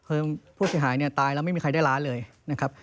คือผู้เสียหายเนี่ยตายแล้วไม่มีใครได้ร้านเลยนะครับ